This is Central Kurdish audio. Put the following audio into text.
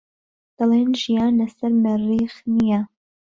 دەڵێن ژیان لەسەر مەریخ نییە.